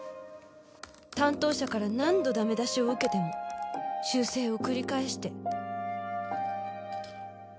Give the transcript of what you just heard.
担当者から何度ダメ出しを受けても修正を繰り返して。